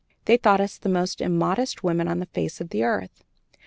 They thought us the most immodest women on the face of the earth.